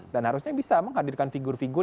dan harusnya bisa menghadirkan figur figur